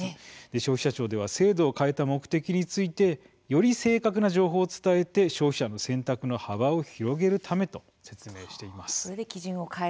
消費者庁では制度を変えた目的についてより正確な情報を伝えて消費者の選択の幅を広げるためと説明しています。